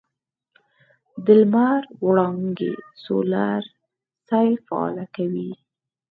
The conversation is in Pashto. د لمر وړانګې سولر سیل فعاله کوي.